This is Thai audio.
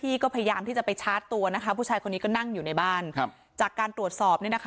โอโหเข้าไปชาติตัวผู้ชายคนนี้นะคะเดี๋ยวไปดูภาพเหตุการณ์กันค่ะ